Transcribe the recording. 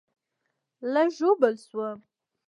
لږ ژوبل شوم